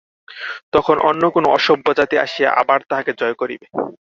তখন অন্য কোন অসভ্য জাতি আসিয়া আবার তাহাকে জয় করিবে।